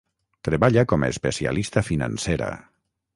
Treballa com a especialista financera.